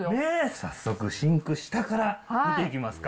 早速、シンク下から見ていきますか。